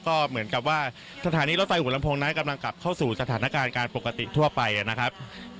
ก็เหมือนกับว่าสถานีรถไฟหัวลำโพงนั้นกำลังกลับเข้าสู่สถานการณ์การปกติทั่วไปนะครับ